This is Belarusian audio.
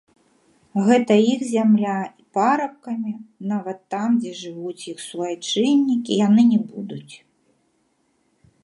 Гэта іх зямля, і парабкамі, нават там, дзе жывуць іх суайчыннікі, яны не будуць.